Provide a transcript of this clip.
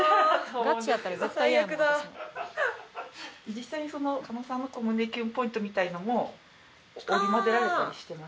実際に加納さんの胸キュンポイントみたいなのも織り交ぜられたりしてます？